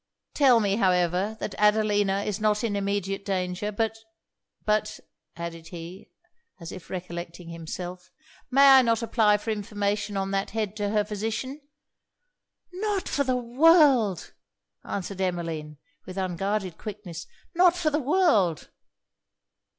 Tell me, however, that Adelina is not in immediate danger. But, but' added he, as if recollecting himself, 'may I not apply for information on that head to her physician?' 'Not for the world!' answered Emmeline, with unguarded quickness 'not for the world!'